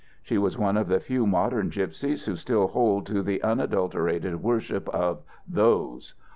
She was one of the few modern gypsies who still hold to the unadulterated worship of "those."